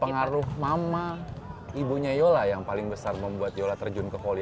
pengaruh mama ibunya yola yang paling besar membuat yola terjun ke volley